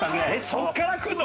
そこからくるの？